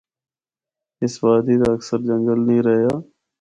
اس وادی دا اکثر جنگل نیں رہیا۔